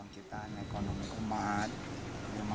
kebangkitan ekonomi umat